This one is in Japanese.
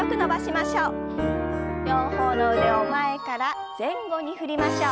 両方の腕を前から前後に振りましょう。